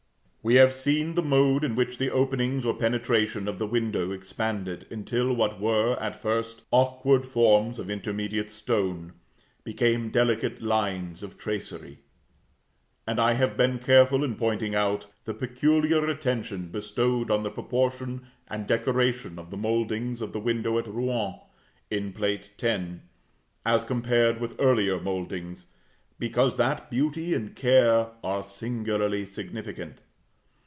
We have seen the mode in which the openings or penetration of the window expanded, until what were, at first, awkward forms of intermediate stone, became delicate lines of tracery: and I have been careful in pointing out the peculiar attention bestowed on the proportion and decoration of the mouldings of the window at Rouen, in Plate X., as compared with earlier mouldings, because that beauty and care are singularly significant.